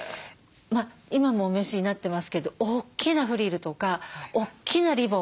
今もお召しになってますけど大きなフリルとか大きなリボン